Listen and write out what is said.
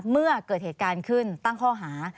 เมื่อเกิดเหตุการณ์ขึ้นตั้งข้อหา